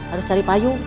harus cari payung